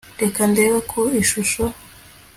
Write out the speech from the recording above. reka ndebe ku ishusho